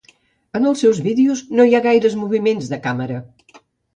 En els seus vídeos no hi ha gaires moviments de càmera.